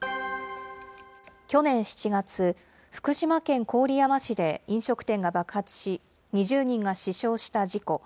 去年７月、福島県郡山市で飲食店が爆発し、２０人が死傷した事故。